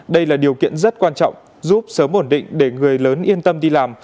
đây là điều kiện rất quan trọng giúp sớm ổn định để người lớn yên tâm đi làm